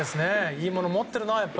いいもの持っているな！